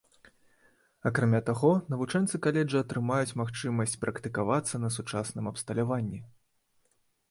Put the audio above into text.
Акрамя таго, навучэнцы каледжа атрымаюць магчымасць практыкавацца на сучасным абсталяванні.